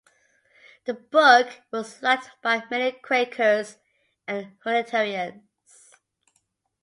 The book was liked by many Quakers and Unitarians.